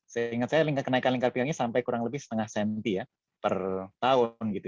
saya ingat saya kenaikan lingkar pinggangnya sampai kurang lebih setengah senti ya per tahun gitu